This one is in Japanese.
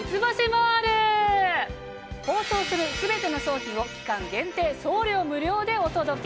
放送する全ての商品を期間限定送料無料でお届け。